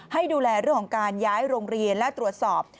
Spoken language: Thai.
ให้ดูแลเรื่องของการย้ายโรงเรียนและตรวจสอบ